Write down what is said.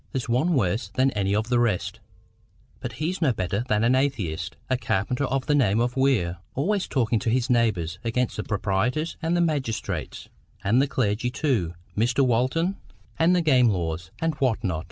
There's one worse than any of the rest—but he's no better than an atheist—a carpenter of the name of Weir, always talking to his neighbours against the proprietors and the magistrates, and the clergy too, Mr Walton, and the game laws; and what not?